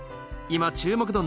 今注目度